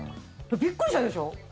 びっくりしたでしょ？